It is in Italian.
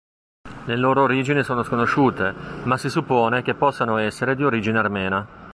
Le loro origini sono sconosciute, ma si suppone che posano essere di origine armena.